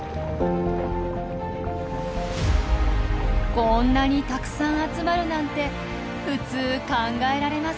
こんなにたくさん集まるなんて普通考えられません。